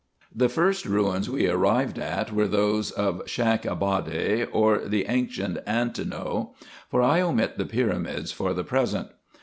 The first ruins we arrived at were those of Shak Abade, or the ancient Antinoe ; for I omit the pyramids for the present.